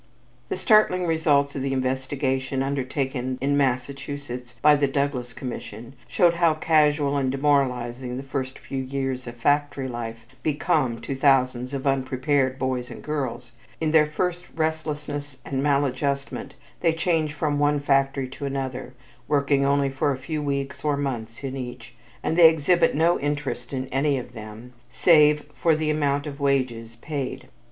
The startling results of the investigation undertaken in Massachusetts by the Douglas Commission showed how casual and demoralizing the first few years of factory life become to thousands of unprepared boys and girls; in their first restlessness and maladjustment they change from one factory to another, working only for a few weeks or months in each, and they exhibit no interest in any of them save for the amount of wages paid.